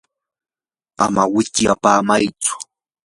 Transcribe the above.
ama wichyapamaytsu.